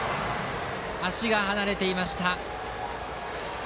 足が離れていました。